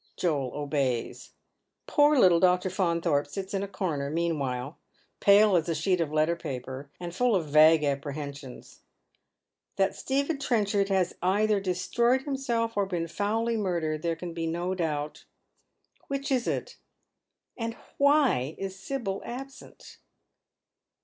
Joel obeys. Poor little Dr. Faunthorpe sits in a comer mean while, pale as a sheet of letter p ^per, and full of vague appre hensions. That Stephen Trenchard has either destroyed himself or been foully murdered there can be no doubt. Which is it? And why is Sibyl absent